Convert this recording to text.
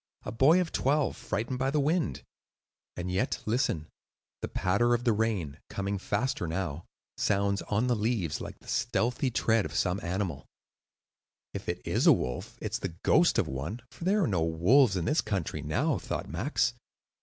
"A boy of twelve frightened by the wind!" And yet, listen! the patter of the rain (coming faster now) sounds on the leaves like the stealthy tread of some animal. "If it is a wolf, it is the ghost of one; for there are no wolves in this country now," thought Max.